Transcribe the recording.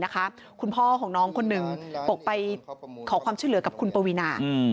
คุณพ่อของน้องคนหนึ่งบอกไปขอความช่วยเหลือกับคุณปวีนา